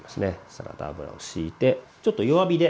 サラダ油をしいてちょっと弱火で。